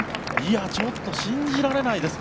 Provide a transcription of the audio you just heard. ちょっと信じられないです。